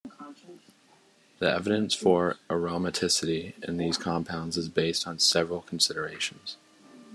The evidence for aromaticity in these compounds is based on several considerations.